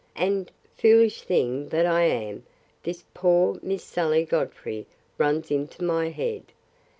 And, foolish thing that I am, this poor Miss Sally Godfrey runs into my head!